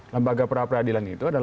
lembaga peradilan itu adalah